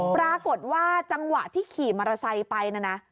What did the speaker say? ปรากฏว่าจังหวะที่ขี่มอเตอร์ไซค์ไปนะนะ